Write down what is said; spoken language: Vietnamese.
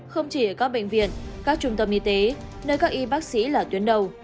không chỉ ở các bệnh viện các trung tâm y tế nơi các y bác sĩ là tuyến đầu